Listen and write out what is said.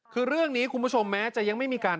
คือเรื่องนี้คุณผู้ชมแม้จะยังไม่มีการ